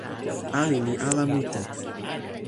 ali li ala mute!